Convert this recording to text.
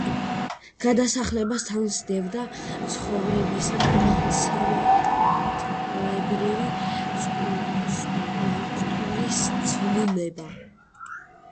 გადასახლებას თან სდევდა ცხოვრებისა და სამართლებრივი სტრუქტურის ცვლილება.